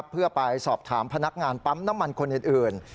เพื่อไปสอบถามพนักงานปั๊มน้ำมันคนอื่น